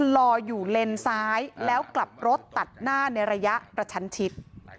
รออยู่เลนซ้ายแล้วกลับรถตัดหน้าในระยะกระชันชิด